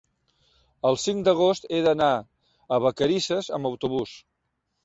el cinc d'agost he d'anar a Vacarisses amb autobús.